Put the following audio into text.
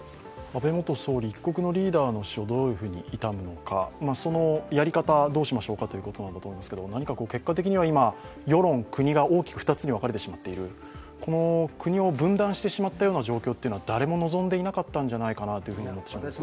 安倍元総理、一国のリーダーの死をどういうふうに悼むかそのやり方をどうしましょうかということなんですけど何か結果的には今、世論、国が大きく２つに分かれてしまっている国を分断してしまったような状況は誰も望んでいなかったんじゃないかなと思います。